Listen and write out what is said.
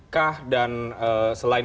kah dan selain